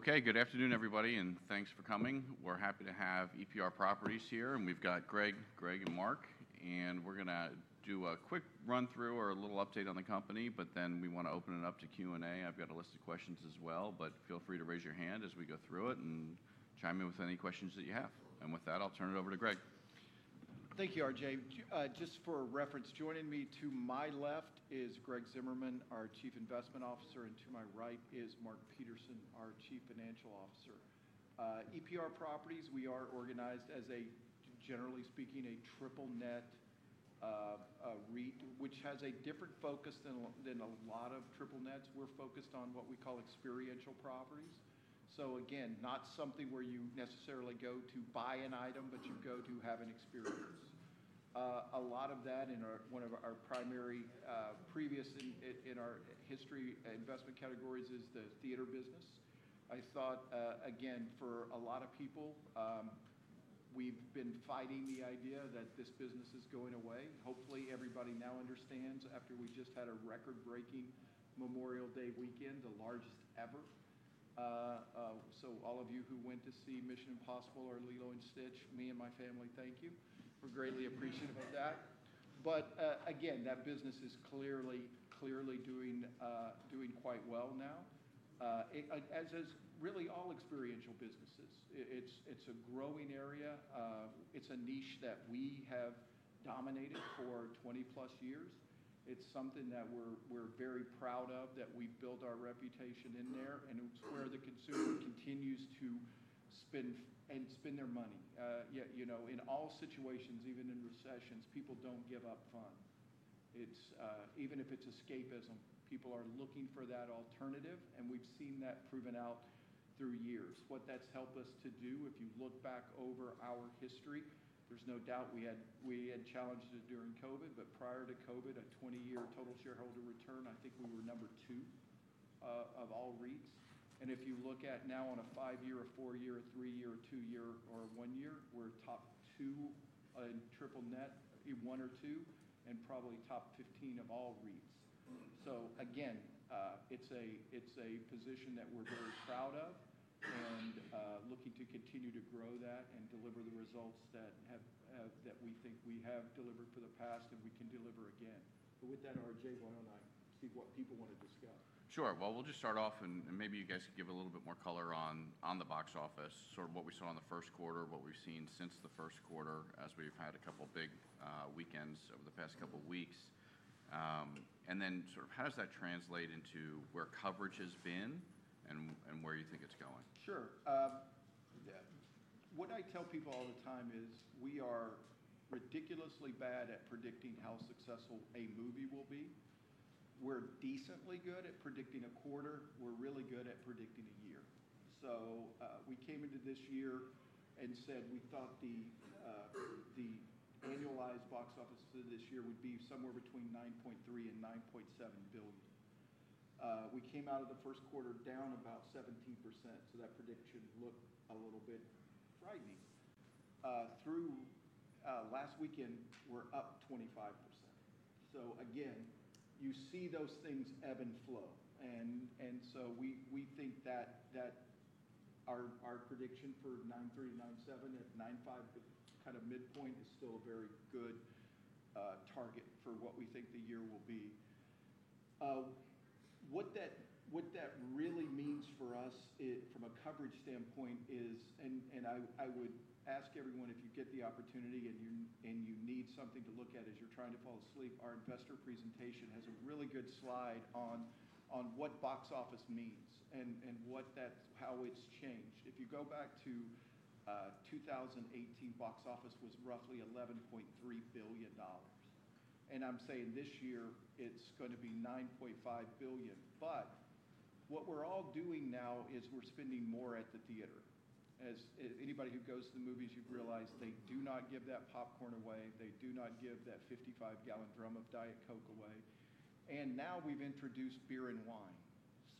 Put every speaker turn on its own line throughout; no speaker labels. Okay, good afternoon, everybody, and thanks for coming. We're happy to have EPR Properties here, and we've got Greg, Greg, and Mark, and we're going to do a quick run-through or a little update on the company, but then we want to open it up to Q&A. I've got a list of questions as well, but feel free to raise your hand as we go through it and chime in with any questions that you have. With that, I'll turn it over to Greg.
Thank you, RJ. Just for reference, joining me to my left is Greg Zimmerman, our Chief Investment Officer, and to my right is Mark Peterson, our Chief Financial Officer. EPR Properties, we are organized as, generally speaking, a triple-net, which has a different focus than a lot of triple-nets. We're focused on what we call experiential properties. Again, not something where you necessarily go to buy an item, but you go to have an experience. A lot of that, and one of our primary previous in our history investment categories, is the theater business. I thought, again, for a lot of people, we've been fighting the idea that this business is going away. Hopefully, everybody now understands after we just had a record-breaking Memorial Day weekend, the largest ever. All of you who went to see Mission Impossible or Lilo & Stitch, me and my family, thank you. We're greatly appreciative of that. Again, that business is clearly doing quite well now, as is really all experiential businesses. It's a growing area. It's a niche that we have dominated for 20+ years. It's something that we're very proud of, that we've built our reputation in there, and it's where the consumer continues to spend and spend their money. In all situations, even in recessions, people don't give up fun. Even if it's escapism, people are looking for that alternative, and we've seen that proven out through years. What that's helped us to do, if you look back over our history, there's no doubt we had challenges during COVID, but prior to COVID, a 20-year total shareholder return, I think we were number two of all REITs. If you look at now on a five-year, a four-year, a three-year, a two-year, or a one-year, we're top two in triple-net, one or two, and probably top 15 of all REITs. It is a position that we're very proud of and looking to continue to grow that and deliver the results that we think we have delivered for the past and we can deliver again. With that, RJ, why don't I see what people want to discuss?
Sure. We'll just start off, and maybe you guys can give a little bit more color on the box office, sort of what we saw in the first quarter, what we've seen since the first quarter as we've had a couple big weekends over the past couple of weeks. Then sort of how does that translate into where coverage has been and where you think it's going?
Sure. What I tell people all the time is we are ridiculously bad at predicting how successful a movie will be. We're decently good at predicting a quarter. We're really good at predicting a year. We came into this year and said we thought the annualized box office for this year would be somewhere between $9.3 billion and $9.7 billion. We came out of the first quarter down about 17%, so that prediction looked a little bit frightening. Through last weekend, we're up 25%. You see those things ebb and flow. We think that our prediction for $9.3 billion-$9.7 billion, at $9.5 billion, kind of midpoint, is still a very good target for what we think the year will be. What that really means for us from a coverage standpoint is, and I would ask everyone, if you get the opportunity and you need something to look at as you're trying to fall asleep, our investor presentation has a really good slide on what box office means and how it's changed. If you go back to 2018, box office was roughly $11.3 billion. I'm saying this year it's going to be $9.5 billion. What we're all doing now is we're spending more at the theater. Anybody who goes to the movies, you've realized they do not give that popcorn away. They do not give that 55-gallon drum of Diet Coke away. Now we've introduced beer and wine.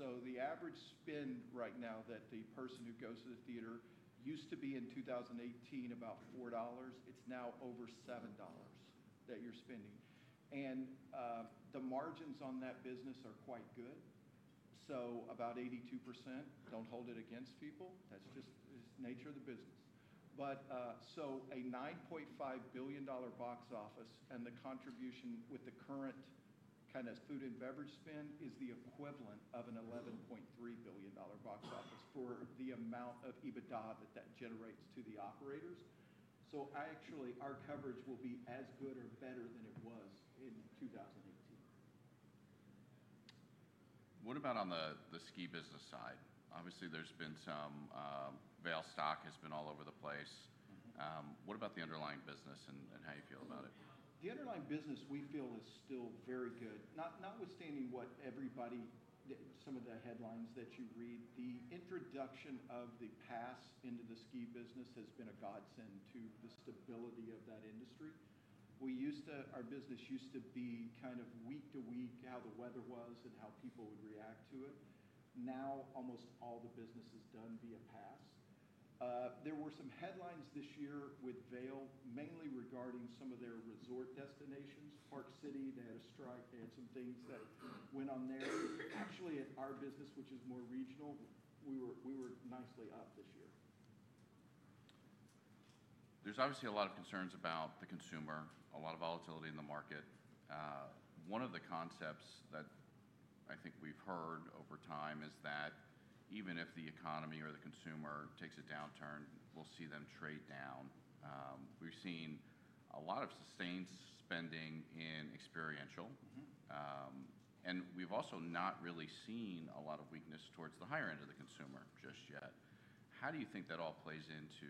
The average spend right now that the person who goes to the theater used to be in 2018 about $4, it's now over $7 that you're spending. The margins on that business are quite good, so about 82%. Do not hold it against people. That is just the nature of the business. A $9.5 billion box office and the contribution with the current kind of food and beverage spend is the equivalent of an $11.3 billion box office for the amount of EBITDA that that generates to the operators. Actually, our coverage will be as good or better than it was in 2018.
What about on the Ski business side? Obviously, there's been some Vail stock has been all over the place. What about the underlying business and how you feel about it?
The underlying business we feel is still very good, notwithstanding what everybody, some of the headlines that you read. The introduction of the pass into the Ski business has been a godsend to the stability of that industry. Our business used to be kind of week to week, how the weather was and how people would react to it. Now almost all the business is done via pass. There were some headlines this year with Vail mainly regarding some of their resort destinations. Park City, they had a strike. They had some things that went on there. Actually, our business, which is more regional, we were nicely up this year.
There's obviously a lot of concerns about the consumer, a lot of volatility in the market. One of the concepts that I think we've heard over time is that even if the economy or the consumer takes a downturn, we'll see them trade down. We've seen a lot of sustained spending in experiential, and we've also not really seen a lot of weakness towards the higher end of the consumer just yet. How do you think that all plays into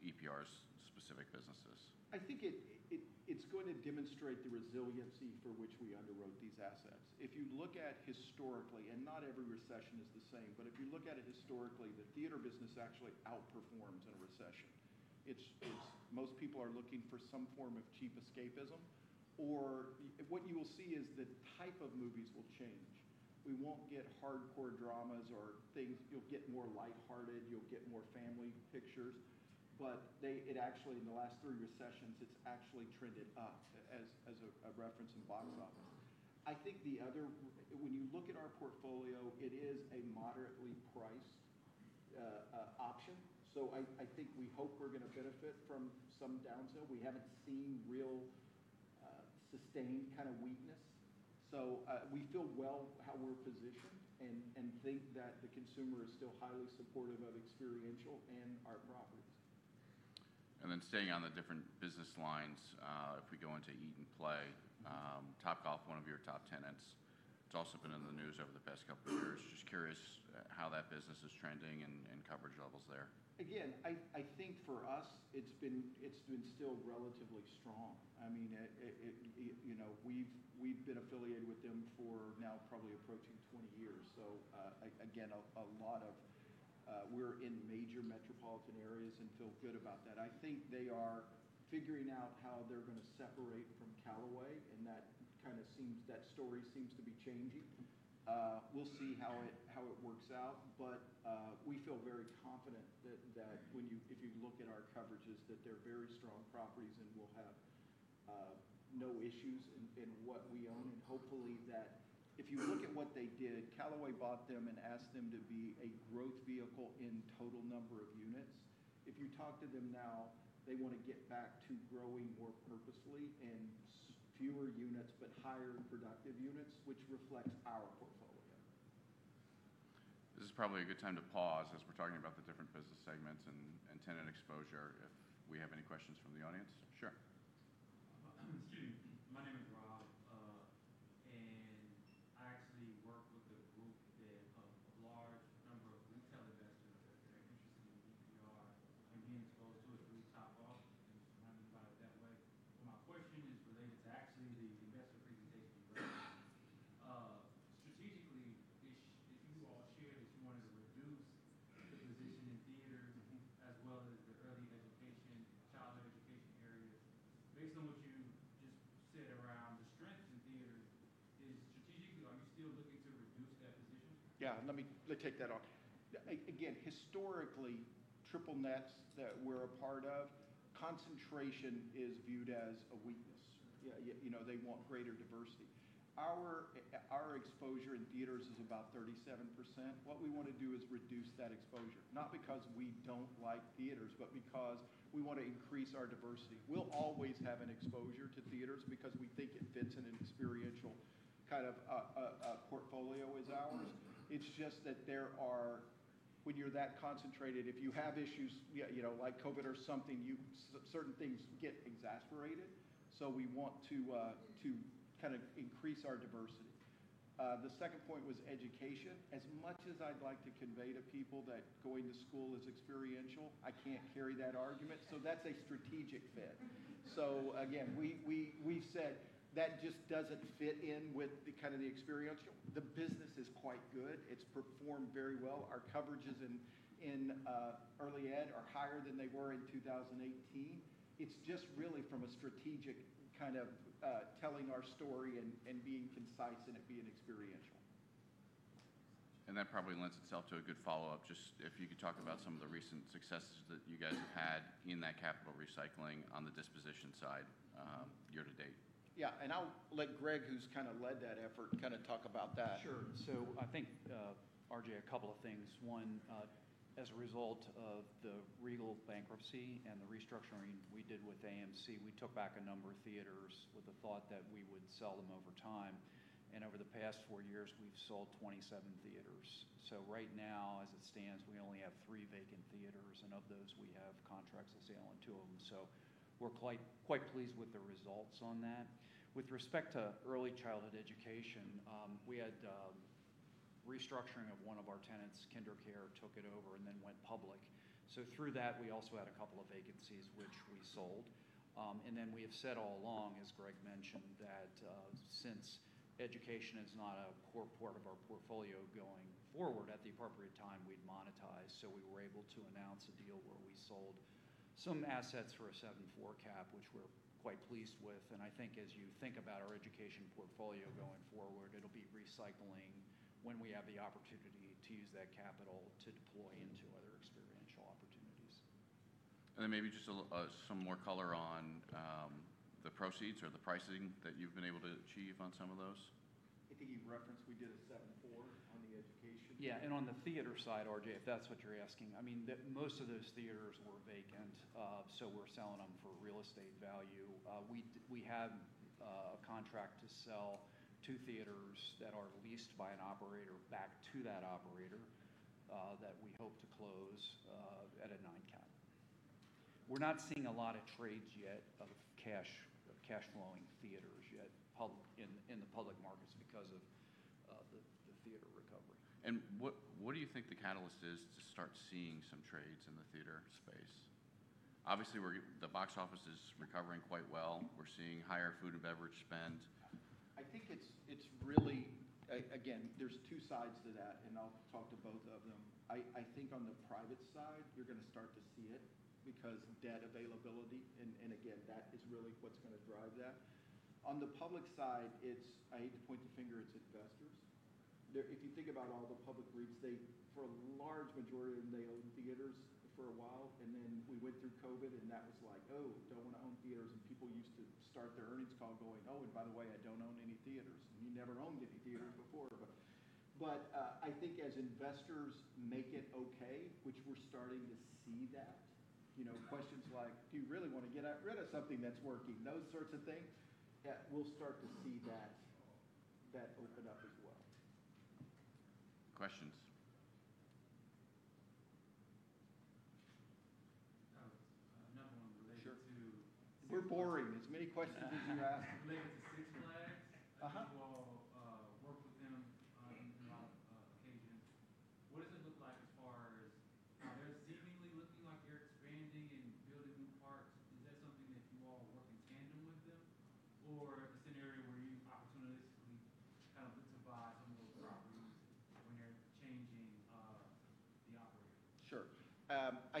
EPR's specific businesses?
I think it's going to demonstrate the resiliency for which we underwrote these assets. If you look at historically, and not every recession is the same, but if you look at it historically, the theater business actually outperforms in a recession. Most people are looking for some form of cheap escapism, or what you will see is the type of movies will change. We won't get hardcore dramas or things. You'll get more lighthearted. You'll get more family pictures. In the last three recessions, it's actually trended up as a reference in box office. I think the other, when you look at our portfolio, it is a moderately priced option. I think we hope we're going to benefit from some downsell. We haven't seen real sustained kind of weakness. We feel well how we're positioned and think that the consumer is still highly supportive of experiential and our properties.
Staying on the different business lines, if we go into eat and play, Topgolf, one of your top tenants. It's also been in the news over the past couple of years. Just curious how that business is trending and coverage levels there.
Again, I think for us, it's been still relatively strong. I mean, we've been affiliated with them for now probably approaching 20 years. Again, a lot of we're in major metropolitan areas and feel good about that. I think they are figuring out how they're going to separate from Callaway, and that story seems to be changing. We'll see how it works out, but we feel very confident that if you look at our coverages, they're very strong properties and we'll have no issues in what we own. Hopefully, if you look at what they did, Callaway bought them and asked them to be a growth vehicle in total number of units. If you talk to them now, they want to get back to growing more purposely and fewer units, but higher productive units, which reflects our portfolio.
This is probably a good time to pause as we're talking about the different business segments and tenant exposure if we have any questions from the audience. Sure.
It's just that there are, when you're that concentrated, if you have issues like COVID or something, certain things get exacerbated. We want to kind of increase our diversity. The second point was education. As much as I'd like to convey to people that going to school is experiential, I can't carry that argument. That's a strategic fit. Again, we've said that just doesn't fit in with kind of the experiential. The business is quite good. It's performed very well. Our coverages in early ed are higher than they were in 2018. It's just really from a strategic kind of telling our story and being concise and it being experiential.
That probably lends itself to a good follow-up. Just if you could talk about some of the recent successes that you guys have had in that capital recycling on the disposition side year to date.
Yeah. I'll let Greg, who's kind of led that effort, kind of talk about that.
Sure. I think, RJ, a couple of things. One, as a result of the Regal bankruptcy and the restructuring we did with AMC, we took back a number of theaters with the thought that we would sell them over time. Over the past four years, we've sold 27 theaters. Right now, as it stands, we only have three vacant theaters, and of those, we have contracts to sell on two of them. We're quite pleased with the results on that. With respect to early childhood education, we had restructuring of one of our tenants. KinderCare took it over and then went public. Through that, we also had a couple of vacancies, which we sold. We have said all along, as Greg mentioned, that since education is not a core part of our portfolio going forward, at the appropriate time, we'd monetize. We were able to announce a deal where we sold some assets for a 7.4% cap, which we're quite pleased with. I think as you think about our education portfolio going forward, it'll be recycling when we have the opportunity to use that capital to deploy into other experiential opportunities.
Maybe just some more color on the proceeds or the pricing that you've been able to achieve on some of those.
I think you've referenced we did a 74 on the education.
Yeah. On the theater side, RJ, if that's what you're asking, I mean, most of those theaters were vacant, so we're selling them for real estate value. We have a contract to sell two theaters that are leased by an operator back to that operator that we hope to close at a 9% cap. We're not seeing a lot of trades yet of cash-flowing theaters yet in the public markets because of the theater recovery.
What do you think the catalyst is to start seeing some trades in the theater space? Obviously, the box office is recovering quite well. We're seeing higher food and beverage spend.
I think it's really, again, there's two sides to that, and I'll talk to both of them. I think on the private side, you're going to start to see it because debt availability, and again, that is really what's going to drive that. On the public side, I hate to point the finger, it's investors. If you think about all the public REITs, for a large majority, they owned theaters for a while, and then we went through COVID, and that was like, "Oh, don't want to own theaters." And people used to start their earnings call going, "Oh, and by the way, I don't own any theaters." And you never owned any theaters before. I think as investors make it okay, which we're starting to see that, questions like, "Do you really want to get rid of something that's working?" Those sorts of things, we'll start to see that open up as well.
Questions.
Another one related to.
We're boring, as many questions as you ask. Related to Six Flags, you all work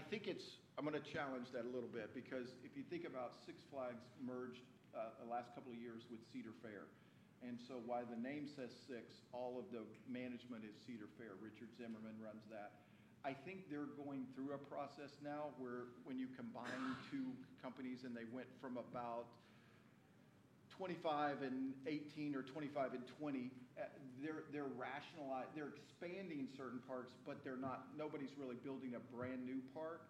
with them on a lot of occasions. What does it look like as far as, now, they're seemingly looking like they're expanding and building new parks? Is that something that you all work in tandem with them, or is it an area where you opportunistically kind of look to buy some of those properties when they're changing the operator? Sure. I think I'm going to challenge that a little bit because if you think about Six Flags merged the last couple of years with Cedar Fair. While the name says Six, all of the management is Cedar Fair. Richard Zimmerman runs that. I think they're going through a process now where when you combine two companies and they went from about 25 and 18 or 25 and 20, they're expanding certain parts, but nobody's really building a brand new park.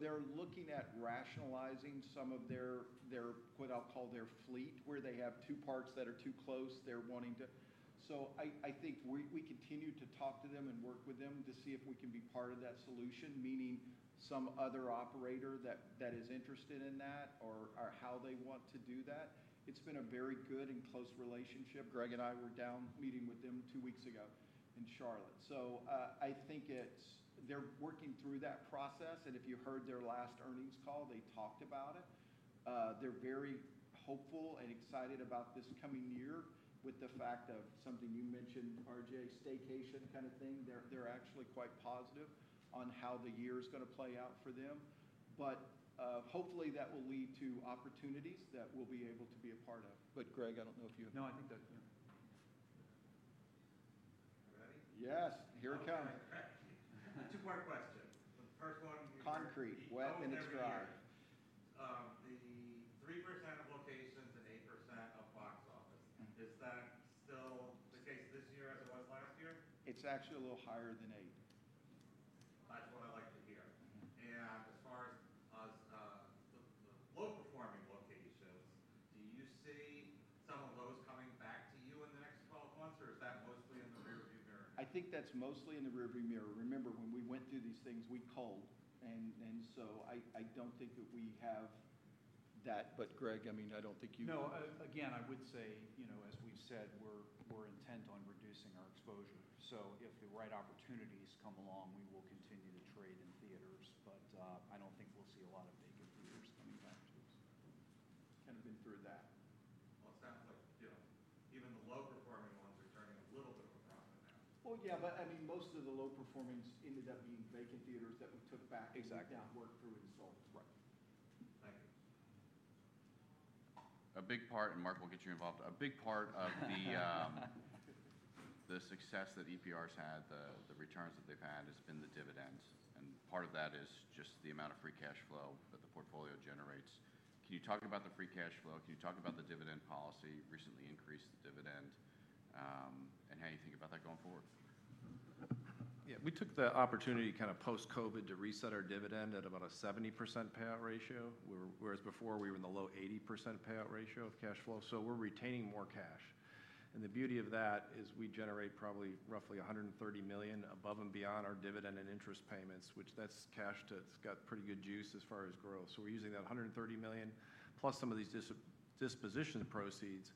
They're looking at rationalizing some of their, what I'll call their fleet, where they have two parks that are too close. I think we continue to talk to them and work with them to see if we can be part of that solution, meaning some other operator that is interested in that or how they want to do that. It's been a very good and close relationship. Greg and I were down meeting with them two weeks ago in Charlotte. I think they're working through that process. If you heard their last earnings call, they talked about it. They're very hopeful and excited about this coming year with the fact of something you mentioned, RJ, staycation kind of thing. They're actually quite positive on how the year is going to play out for them. Hopefully that will lead to opportunities that we'll be able to be a part of.
Greg, I don't know if you have.
No, I think that's yeah. You ready? Yes. Here it comes. Two-part question. The first one is. Concrete. Wet and it's dry. The 3% of locations and 8% of box office. Is that still the case this year as it was last year? It's actually a little higher than eight. That's what I like to hear. As far as the low-performing locations, do you see some of those coming back to you in the next 12 months, or is that mostly in the rearview mirror? I think that's mostly in the rearview mirror. Remember, when we went through these things, we culled. And so I don't think that we have that.
Greg, I mean, I don't think you.
No, again, I would say, as we've said, we're intent on reducing our exposure. If the right opportunities come along, we will continue to trade in theaters. I don't think we'll see a lot of vacant theaters coming back to us. Kind of been through that.
It sounds like even the low-performing ones are turning a little bit of a problem now.
Yeah, but I mean, most of the low-performing ended up being vacant theaters that we took back that weren't through insult.
Exactly. Right. Thank you.
A big part, and Mark will get you involved. A big part of the success that EPR's had, the returns that they've had, has been the dividends. Part of that is just the amount of free cash flow that the portfolio generates. Can you talk about the free cash flow? Can you talk about the dividend policy? Recently increased the dividend. How do you think about that going forward?
Yeah. We took the opportunity kind of post-COVID to reset our dividend at about a 70% payout ratio. Whereas before, we were in the low 80% payout ratio of cash flow. So we're retaining more cash. And the beauty of that is we generate probably roughly $130 million above and beyond our dividend and interest payments, which that's cash to it's got pretty good juice as far as growth. So we're using that $130 million plus some of these disposition proceeds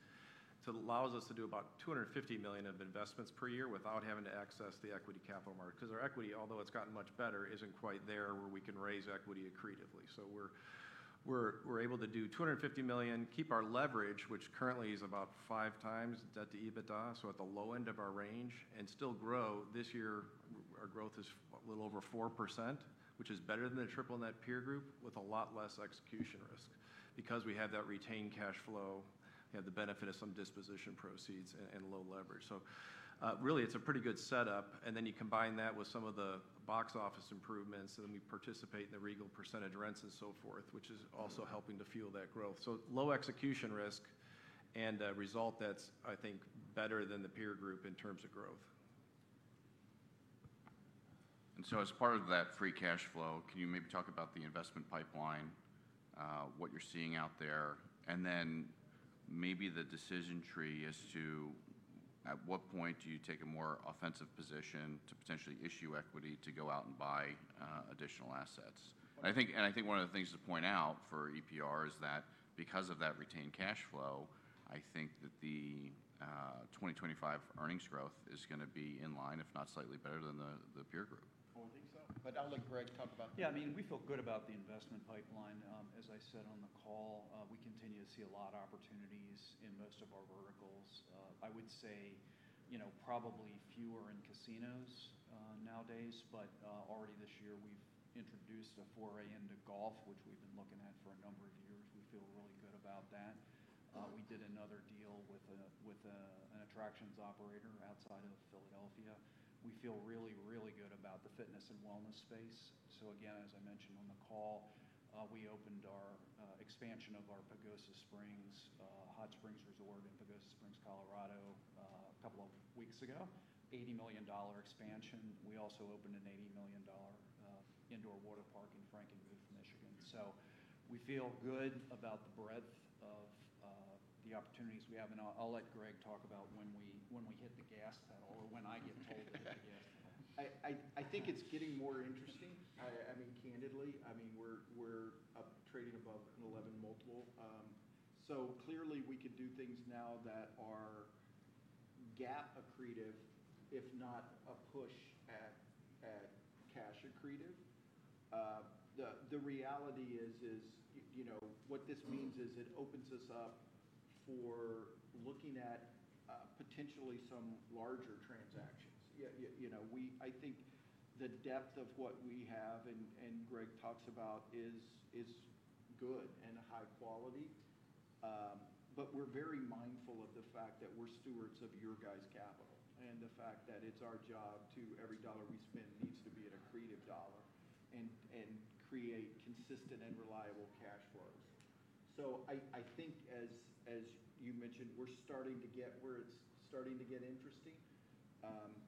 to allow us to do about $250 million of investments per year without having to access the equity capital market. Because our equity, although it's gotten much better, isn't quite there where we can raise equity accretively. So we're able to do $250 million, keep our leverage, which currently is about five times debt to EBITDA, so at the low end of our range, and still grow. This year, our growth is a little over 4%, which is better than the triple-net peer group with a lot less execution risk because we have that retained cash flow, we have the benefit of some disposition proceeds, and low leverage. It is really a pretty good setup. You combine that with some of the box office improvements, and we participate in the Regal percentage rents and so forth, which is also helping to fuel that growth. Low execution risk and result that is, I think, better than the peer group in terms of growth.
As part of that free cash flow, can you maybe talk about the investment pipeline, what you're seeing out there? Then maybe the decision tree is to at what point do you take a more offensive position to potentially issue equity to go out and buy additional assets? I think one of the things to point out for EPR is that because of that retained cash flow, I think that the 2025 earnings growth is going to be in line, if not slightly better than the peer group.
Forwarding stuff.
I'll let Greg talk about that.
Yeah, I mean, we feel good about the investment pipeline. As I said on the call, we continue to see a lot of opportunities in most of our verticals. I would say probably fewer in casinos nowadays, but already this year, we've introduced a foray into golf, which we've been looking at for a number of years. We feel really good about that. We did another deal with an attractions operator outside of Philadelphia. We feel really, really good about the fitness and wellness space. As I mentioned on the call, we opened our expansion of our Pagosa Springs, Hot Springs Resort in Pagosa Springs, Colorado, a couple of weeks ago, $80 million expansion. We also opened an $80 million indoor water park in Frankenmuth, Michigan. We feel good about the breadth of the opportunities we have. I'll let Greg talk about when we hit the gas pedal or when I get told to hit the gas pedal.
I think it's getting more interesting, I mean, candidly. I mean, we're trading above an 11 multiple. So clearly, we could do things now that are gap accretive, if not a push at cash accretive. The reality is what this means is it opens us up for looking at potentially some larger transactions. I think the depth of what we have and Greg talks about is good and high quality. But we're very mindful of the fact that we're stewards of your guys' capital and the fact that it's our job to every dollar we spend needs to be an accretive dollar and create consistent and reliable cash flows. I think, as you mentioned, we're starting to get where it's starting to get interesting.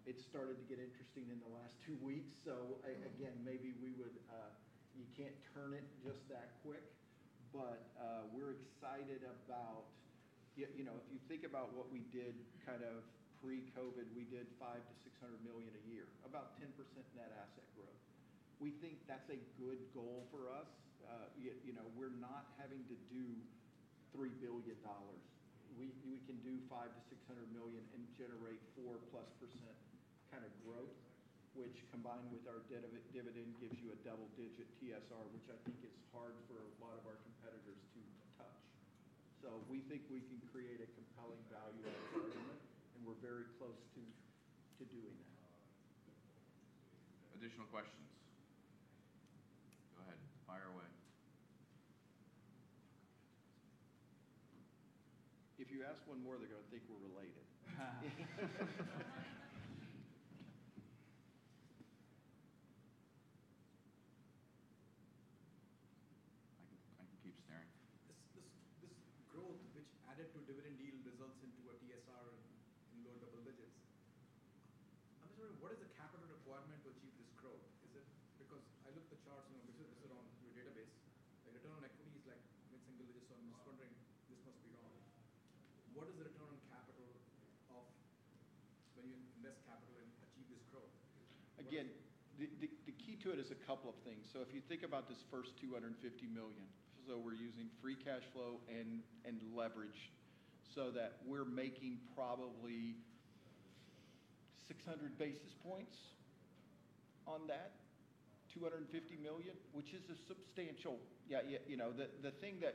It started to get interesting in the last two weeks. Again, maybe we would you can't turn it just that quick. We're excited about if you think about what we did kind of pre-COVID, we did $500 million-$600 million a year, about 10% net asset growth. We think that's a good goal for us. We're not having to do $3 billion. We can do $500 million-$600 million and generate 4%+ kind of growth, which combined with our dividend gives you a double-digit TSR, which I think is hard for a lot of our competitors to touch. We think we can create a compelling value of investment, and we're very close to doing that.
Additional questions?
Go ahead. Fire away. If you ask one more, they're going to think we're related.
I can keep staring. This growth, which added to dividend yield, results in a TSR in low double digits. I'm just wondering, what is the capital requirement to achieve this growth? Because I looked at the charts and this is on your database. The return on equity is like mid-single digits, so I'm just wondering this must be wrong. What is the return on capital of when you invest capital and achieve this growth?
Again, the key to it is a couple of things. If you think about this first $250 million, we're using free cash flow and leverage so that we're making probably 600 basis points on that $250 million, which is substantial. The thing that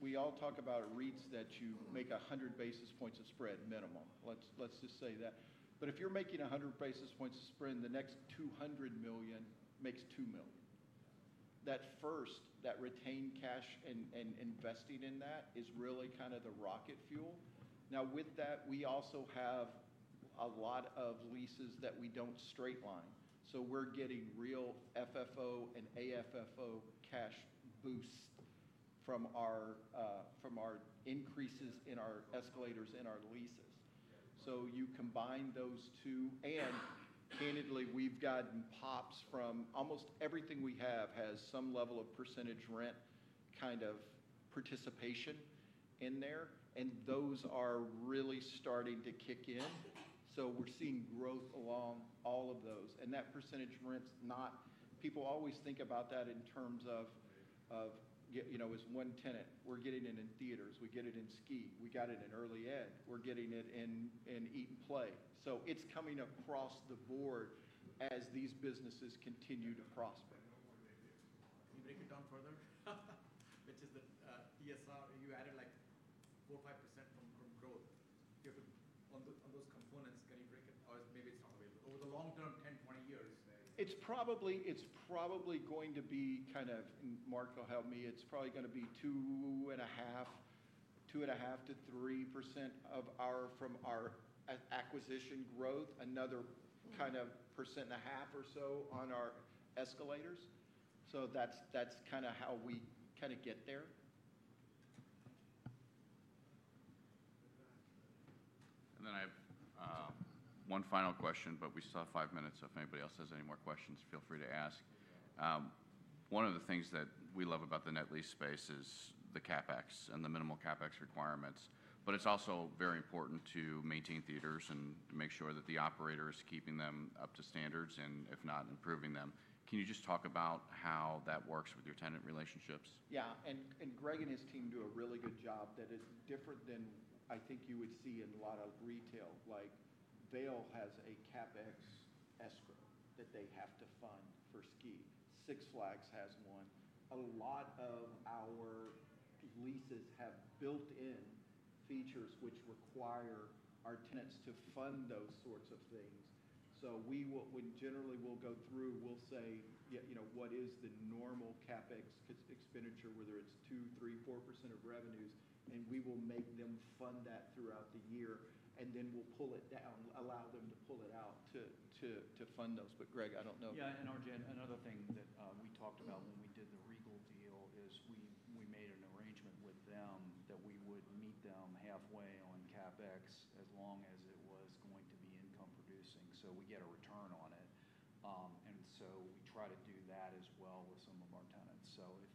we all talk about in REITs is that you make 100 basis points of spread minimum. Let's just say that. If you're making 100 basis points of spread, the next $200 million makes $2 million. That first, that retained cash and investing in that is really kind of the rocket fuel. Now, with that, we also have a lot of leases that we do not straight line. We're getting real FFO and AFFO cash boost from our increases in our escalators in our leases. You combine those two. Candidly, we've gotten pops from almost everything we have has some level of percentage rent kind of participation in there. Those are really starting to kick in. We're seeing growth along all of those. That percentage rent's not people always think about that in terms of as one tenant. We're getting it in theaters. We get it in ski. We got it in early ed. We're getting it in eat and play. It's coming across the board as these businesses continue to prosper. Can you break it down further? Which is the TSR, you added like 4-5% from growth. On those components, can you break it? Or maybe it's not available. Over the long term, 10-20 years. It's probably going to be kind of, Mark will help me, it's probably going to be 2.5-3% from our acquisition growth, another kind of 1.5% or so on our escalators. That's kind of how we kind of get there.
I have one final question, but we still have five minutes. If anybody else has any more questions, feel free to ask. One of the things that we love about the net lease space is the CapEx and the minimal CapEx requirements. It is also very important to maintain theaters and make sure that the operator is keeping them up to standards and, if not, improving them. Can you just talk about how that works with your tenant relationships?
Yeah. Greg and his team do a really good job that is different than I think you would see in a lot of retail. Like Vail has a CapEx escrow that they have to fund for ski. Six Flags has one. A lot of our leases have built-in features which require our tenants to fund those sorts of things. Generally, we'll go through, we'll say, "What is the normal CapEx expenditure, whether it's 2%, 3%, 4% of revenues?" We will make them fund that throughout the year. Then we'll pull it down, allow them to pull it out to fund those. Greg, I don't know.
Yeah. RJ, another thing that we talked about when we did the Regal deal is we made an arrangement with them that we would meet them halfway on CapEx as long as it was going to be income producing so we get a return on it. We try to do that as well with some of our tenants. If